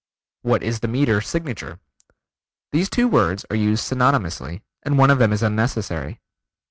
"What is the meter signature?" These two words are used synonymously, and one of them is unnecessary.